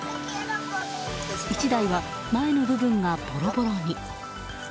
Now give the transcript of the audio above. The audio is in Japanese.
１台は前の部分がボロボロに。